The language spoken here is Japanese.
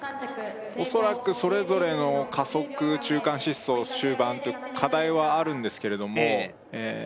おそらくそれぞれの加速中間疾走終盤と課題はあるんですけれどもええ